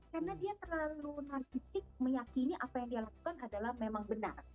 karena dia terlalu narkistik meyakini apa yang dia lakukan adalah memang benar